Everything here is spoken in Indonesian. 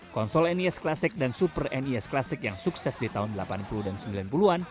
konsol nes classic dan super nes classic yang sukses di tahun delapan puluh dan sembilan puluh an